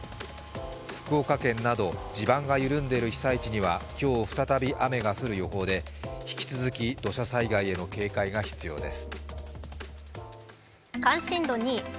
福岡県など地盤が緩んでいる被災地には今日、再び雨が降る予報で引き続き土砂災害への警戒が必要です。